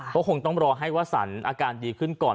ก็คงต้องรอให้วสันอาการดีขึ้นก่อน